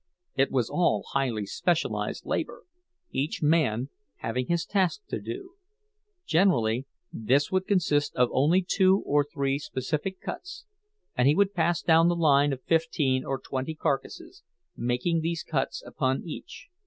It was all highly specialized labor, each man having his task to do; generally this would consist of only two or three specific cuts, and he would pass down the line of fifteen or twenty carcasses, making these cuts upon each.